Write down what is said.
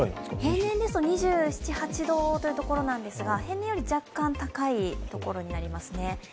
平年ですと２７８度というところなんですが平年より若干高いところになりますね。